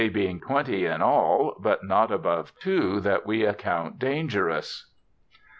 6i being twenty in all, but not above two that we account dangerous."